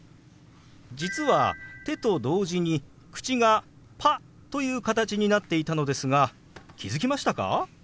実は手と同時に口が「パ」という形になっていたのですが気付きましたか？